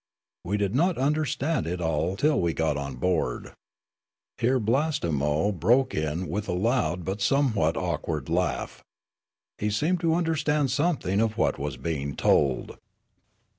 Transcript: We did not understand it all till we got on board." Here Blastemo broke in with a loud but somewhat awkward laugh. He seemed to understand something of what was being told.